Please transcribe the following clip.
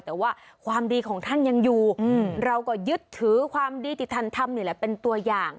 แต่ว่าความดีของท่านยังอยู่เราก็ยึดถือความดีติธรรมนี่แหละเป็นตัวอย่าง